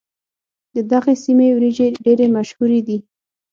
د دغې سيمې وريجې ډېرې مشهورې دي.